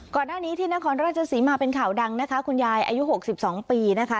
ก่อนหน้านี้ที่นครราชศรีมาเป็นข่าวดังนะคะคุณยายอายุ๖๒ปีนะคะ